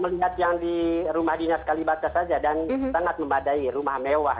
melihat yang di rumah dinas kalibata saja dan sangat memadai rumah mewah